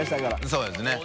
そうですね。